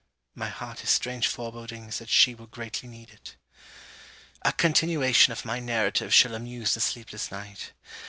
my heart has strange forebodings that she will greatly need it. A continuation of my narrative shall amuse the sleepless night.